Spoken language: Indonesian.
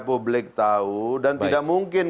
publik tahu dan tidak mungkin